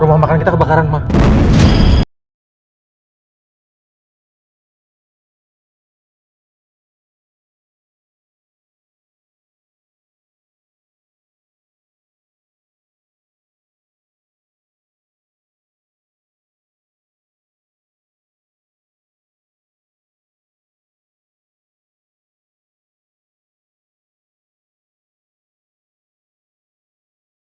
rumah makan kita kebakaran pak